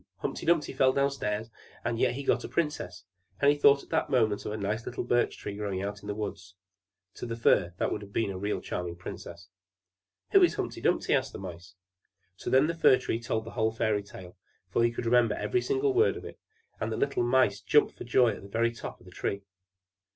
Humpy Dumpy fell downstairs, and yet he got a princess!" and he thought at the moment of a nice little Birch Tree growing out in the woods: to the Fir, that would be a real charming princess. "Who is Humpy Dumpy?" asked the Mice. So then the Fir Tree told the whole fairy tale, for he could remember every single word of it; and the little Mice jumped for joy up to the very top of the Tree.